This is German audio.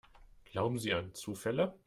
Glauben Sie an Zufälle?